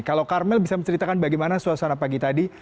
kalau karmel bisa menceritakan bagaimana suasana pagi tadi